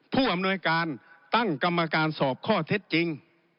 ผู้อำนวยการตั้งกรรมการสอบข้อเท็จจริง